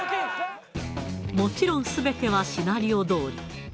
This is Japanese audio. もちろん全てはシナリオどおり。